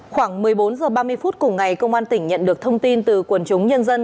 khoảng một mươi bốn h ba mươi phút cùng ngày công an tỉnh nhận được thông tin từ quần chúng nhân dân